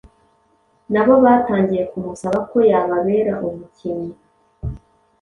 nabo batangiye kumusaba ko yababera umukinnyi